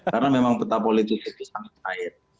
karena memang peta politik itu sangat cair